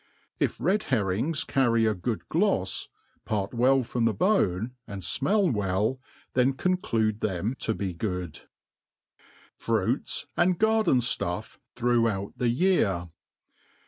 If red herrings carry a good glofs, part well from the bone, and fmell well, then conclude them to be good, FRUITS and GARDEN STUFF throughout the Year.